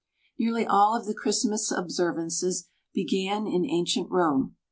Nearly all of the Christmas observances began in ancient Rome.